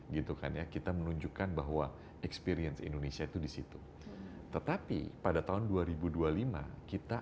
gitu kan ya kita menunjukkan bahwa experience indonesia itu disitu tetapi pada tahun dua ribu dua puluh lima kita